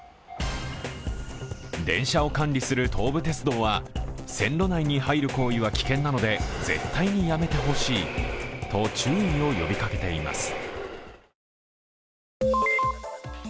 電車を管理する東武鉄道は線路内に入る行為は危険なので絶対にやめてほしいと注意を呼びかけています。